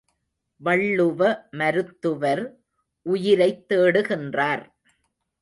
வள்ளுவ மருத்துவர் உயிரைத் தேடுகின்றார்.